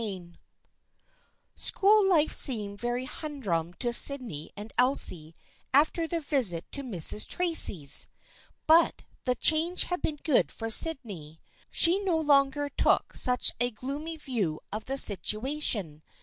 CHAPTER XII SCHOOL life seemed very humdrum to Sydney and Elsie after their visit to Mrs. Tracy's, but the change had been good for Sydney. She no longer took such a gloomy view of the situation.